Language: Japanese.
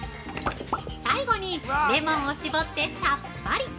最後に、レモンをしぼってさっぱり！